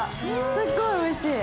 すっごいおいしい。